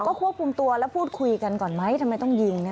ก็ควบคุมตัวแล้วพูดคุยกันก่อนไหมทำไมต้องยิง